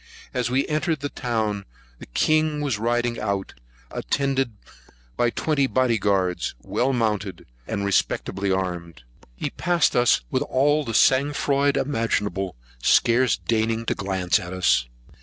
As we entered the town, the king was riding out, attended by twenty carabineers or body guards, well mounted, and respectably armed. He passed us with all the sang froid imaginable, scarce deigning to glance at us.